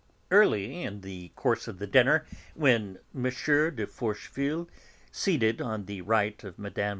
Early in the course of the dinner, when M. de Forcheville, seated on the right of Mme.